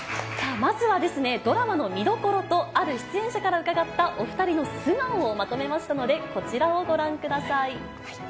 まずはですね、ドラマの見どころと、ある出演者から伺ったお２人の素顔をまとめましたので、こちらをご覧ください。